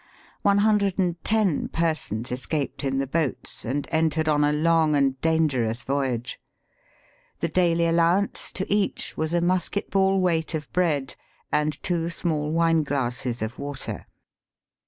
One hundred and ten persons escaped iu the boats, and entered on " a long and dangerous voyage." The daily allowance to each, was a musket ball weight | of bread, and two small wineglasses of water.